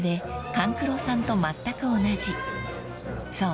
［そう。